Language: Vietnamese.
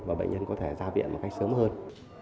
và bệnh nhân có thể ra viện một cách sớm hơn